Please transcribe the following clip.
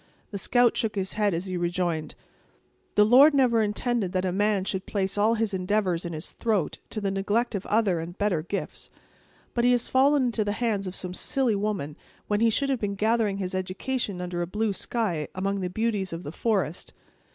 The scout shook his head as he rejoined: "The Lord never intended that the man should place all his endeavors in his throat, to the neglect of other and better gifts! But he has fallen into the hands of some silly woman, when he should have been gathering his education under a blue sky, among the beauties of the forest.